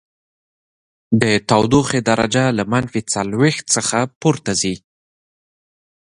د تودوخې درجه له منفي څلوېښت څخه پورته ځي